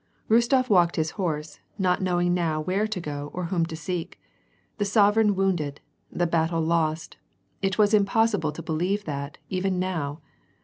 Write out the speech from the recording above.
Kostof walked his horse, not knowing now where to go or whom to seek. The sovereign wounded! the battle lost! It was impossible to believe that, even now.